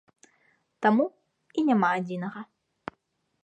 Таму і няма адзінага.